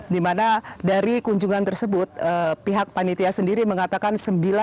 di mana dari kunjungan tersebut pihak panitia sendiri mengatakan